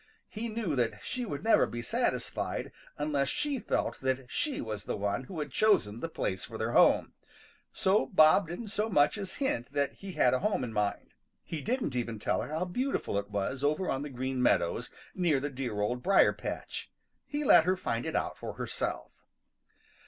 He knew that she would never be satisfied unless she felt that she was the one who had chosen the place for their home. So Bob didn't so much as hint that he had a home in mind. He didn't even tell her how beautiful it was over on the Green Meadows near the dear Old Briar patch. He let her find it out for herself.